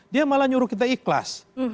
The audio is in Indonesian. dia malah nyuruh kita ikhlas